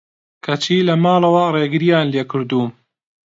کەچی لە ماڵەوە رێگریان لێکردووم